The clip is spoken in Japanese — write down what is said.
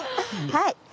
はい。